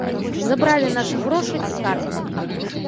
Забралі нашы грошы і карткі.